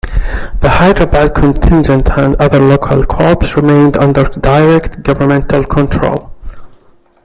The Hyderabad Contingent and other local corps remained under direct governmental control.